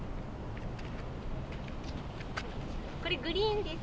これグリーンです。